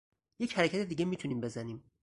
یک حرکت دیگه میتونیم بزنیم